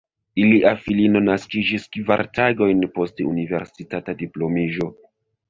Ilia filino naskiĝis kvar tagojn post universitata diplomiĝo.